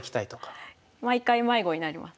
毎回迷子になります。